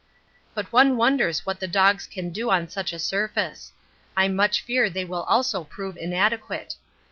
But one wonders what the dogs can do on such a surface. I much fear they also will prove inadequate.